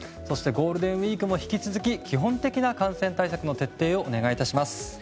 ゴールデンウィークも引き続き基本的な感染対策の徹底をお願い致します。